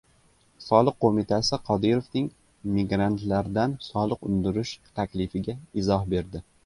Soliq qo‘mitasi Qodirovning migrantlardan soliq undirish taklifiga izoh berdi